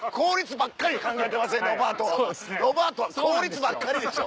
ロバートは効率ばっかりでしょ。